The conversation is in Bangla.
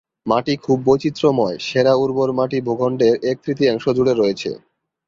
মাটি খুব বৈচিত্র্যময়, সেরা উর্বর মাটি ভূখণ্ডের এক-তৃতীয়াংশ জুড়ে রয়েছে।